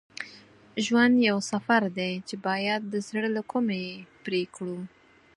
ژوند یو سفر دی چې باید د زړه له کومي پرې کړو.